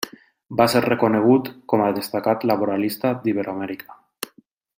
Va ser reconegut com a destacat laboralista d'Iberoamèrica.